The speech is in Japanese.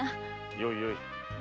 よいよい。